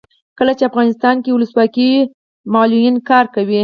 کله چې افغانستان کې ولسواکي وي معلولین کار کوي.